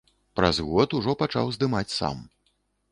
Праз год ужо пачаў здымаць сам.